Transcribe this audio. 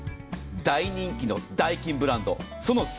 大人気のダイキンブランド。